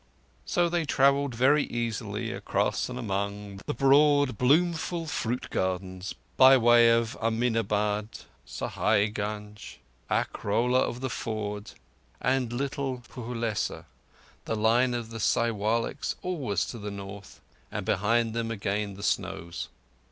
So they travelled very easily across and among the broad bloomful fruit gardens—by way of Aminabad, Sahaigunge, Akrola of the Ford, and little Phulesa—the line of the Siwaliks always to the north, and behind them again the snows.